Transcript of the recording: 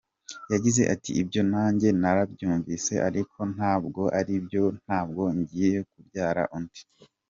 Yagize ati “Ibyo nanjye narabyumvise ariko ntabwo ari byo, ntabwo ngiye kubyara undi.